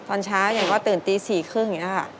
ตอนเช้ายังก็ตื่นตีสี่ครึ่งอย่างนี้อะ